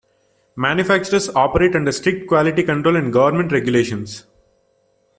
Manufacturers operate under strict quality control and government regulations.